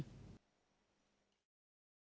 đón xem tập chín sau